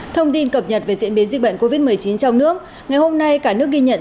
thông tin cập nhật về diễn biến dịch bệnh covid một mươi chín trong nước ngày hôm nay cả nước ghi nhận